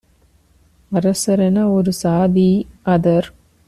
அரசென ஒரு சாதி - அதற்